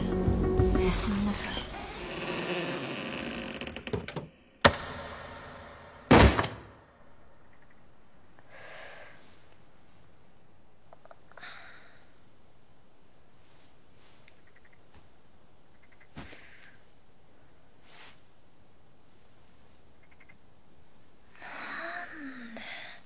おやすみなさいうう何で？